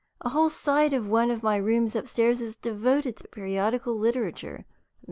A whole side of one of my rooms upstairs is devoted to periodical literature.